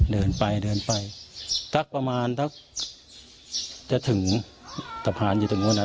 เดินไปเดินไปสักประมาณสักจะถึงสะพานอยู่ตรงนู้นอ่ะ